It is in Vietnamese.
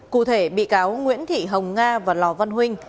cụ thể bị cáo nguyễn thị hồng nga và lò văn huynh